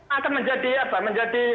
akan menjadi apa menjadi